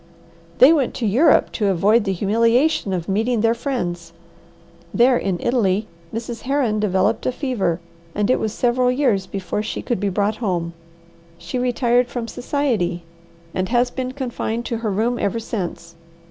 "They went to Europe to avoid the humiliation of meeting their friends. There, in Italy, Mrs. Herron developed a fever, and it was several years before she could be brought home. She retired from society, and has been confined to her room ever since.